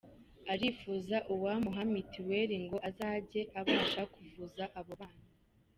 Arifuza uwamuha mitiweri ngo azajye abasha kuvuza abo bana.